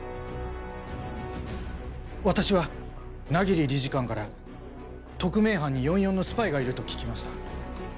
私は百鬼理事官から特命班に４４のスパイがいると聞きました。